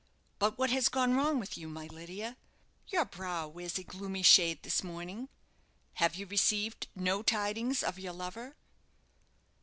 But what has gone wrong with you, my Lydia? Your brow wears a gloomy shade this morning. Have you received no tidings of your lover?"